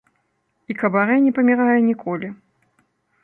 І кабарэ не памірае ніколі.